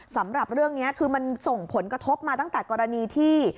สำหรับเรื่องนี้คือมันส่งผลกระทบมาตั้งแต่กรณีที่